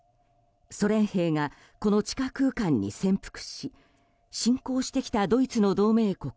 ソ連兵が、この地下空間に潜伏し侵攻してきたドイツの同盟国